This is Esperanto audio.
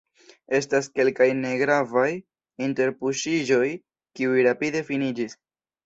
Estas kelkaj negravaj interpuŝiĝoj, kiuj rapide finiĝis.